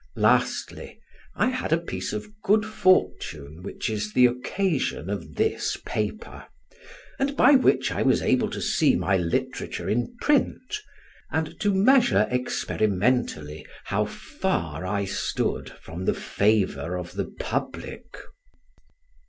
Lastly, I had a piece of good fortune which is the occasion of this paper, and by which I was able to see my literature in print, and to measure experimentally how far I stood from the favour of the public.